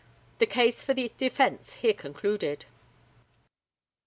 The case for the defence here concluded.